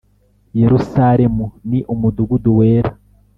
Yerusalemu ni umudugudu wera